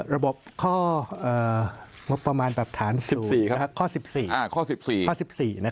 ระบบข้องบประมาณแบบฐานศูนย์ข้อ๑๔